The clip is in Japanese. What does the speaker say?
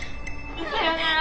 さよなら。